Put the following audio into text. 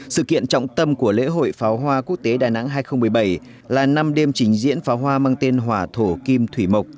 sự kiện trọng tâm của lễ hội pháo hoa quốc tế đà nẵng hai nghìn một mươi bảy là năm đêm trình diễn pháo hoa mang tên hỏa thổ kim thủy mộc